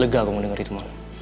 lega gue mau dengerin itu mon